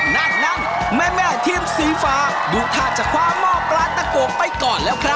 นั่นแม่ทีมสีฟ้าดูท่าจะคว้าหม้อปลาตะโกไปก่อนแล้วครับ